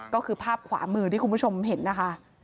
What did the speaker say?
ก็คือภาพขวามือที่คุณผู้ชมเห็นนะคะ